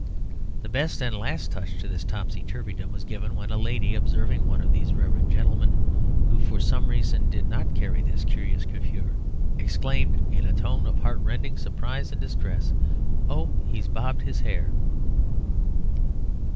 The best and last touch to this topsy turvydom was given when a lady, observing one of these reverend gentlemen who for some reason did not carry this curious coiffure, exclaimed, in a tone of heartrending surprise and distress, "Oh, he's bobbed his hair!"